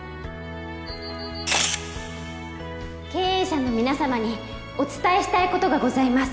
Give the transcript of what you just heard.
経営者の皆さまにお伝えしたいことがございます